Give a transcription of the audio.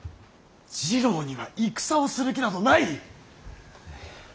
次郎には戦をする気などない！